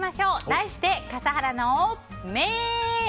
題して笠原の眼。